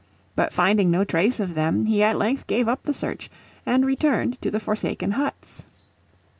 But finding no trace of them he at length gave up the search and returned to the forsaken huts.